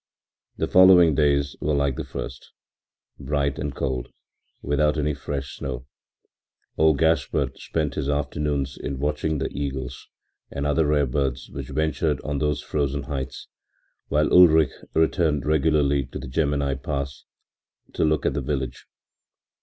The following days were like the first, bright and cold, without any fresh snow. Old Gaspard spent his afternoons in watching the eagles and other rare birds which ventured on those frozen heights, while Ulrich returned regularly to the Gemmi Pass to look at the village.